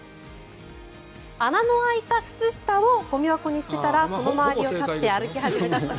穴の開いた靴下をゴミ箱に捨てたらその周りを立って歩き始めたと。